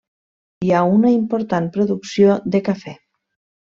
Hi ha una important producció de cafè.